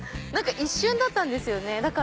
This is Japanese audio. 一瞬だったんですよね。